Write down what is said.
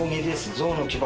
象の牙。